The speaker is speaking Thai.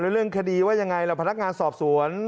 เรื่องคดีว่ายังไงล่ะพนักงานสอบสวน